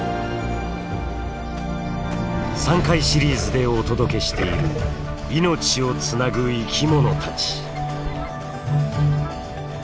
３回シリーズでお届けしている「命をつなぐ生きものたち」。